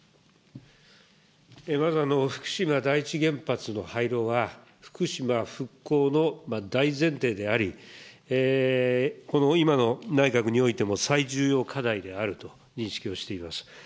福島第一原発の廃炉は、福島復興の大前提であり、この今の内閣においても最重要課題であると認識をしています。